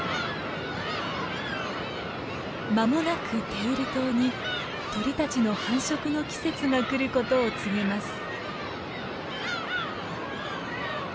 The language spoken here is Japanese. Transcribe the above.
間もなく天売島に鳥たちの繁殖の季節が来ることを告げます。